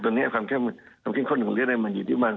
ตรงนี้ความขึ้นขนของเลือดมันอยู่ที่บ้าน๓๕๔๐